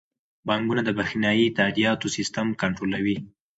بانکونه د بریښنايي تادیاتو سیستم کنټرولوي.